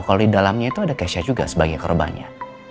kalau di dalamnya itu ada keisha juga sebagai korbannya